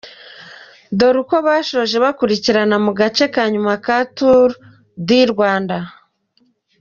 Dore uko basoje bakurikirana ku gace ka nyuma ka Turu di Rwanda .